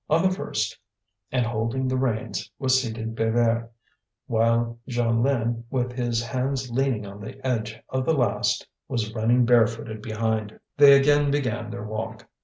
On the first, and holding the reins, was seated Bébert, while Jeanlin, with his hands leaning on the edge of the last, was running barefooted behind. They again began their walk.